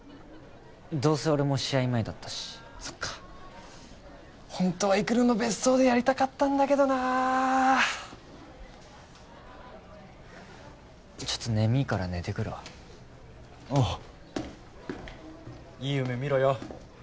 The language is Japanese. どうせ俺も試合前だったしそっかホントは育の別荘でやりたかったんだけどなちょっと眠いから寝てくるわおういい夢見ろよ